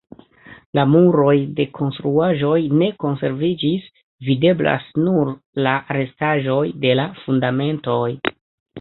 La muroj de konstruaĵoj ne konserviĝis; videblas nur la restaĵoj de la fundamentoj.